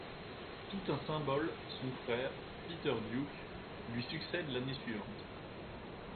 Tout un symbole, son frère, Peter Ducke, lui succède l’année suivante.